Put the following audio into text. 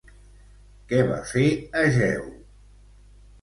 Què va fer Egeu?